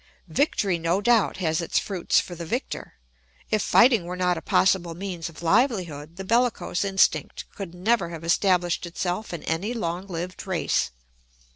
Victory, no doubt, has its fruits for the victor. If fighting were not a possible means of livelihood the bellicose instinct could never have established itself in any long lived race.